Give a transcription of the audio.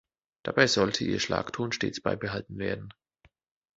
Dabei sollte ihr Schlagton stets beibehalten werden.